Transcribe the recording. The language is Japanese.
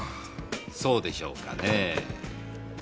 そうでしょうかねえ。